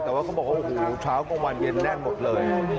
แต่ว่าเขาบอกว่าโอ้โหเช้ากลางวันเย็นแน่นหมดเลย